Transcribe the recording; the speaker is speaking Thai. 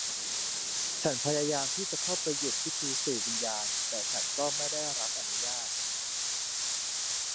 ฉันพยายามที่จะเข้าไปหยุดพิธีสื่อวิญญาณ แต่ฉันก็ไม่ได้รับอนุญาต